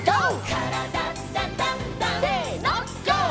「からだダンダンダン」せのＧＯ！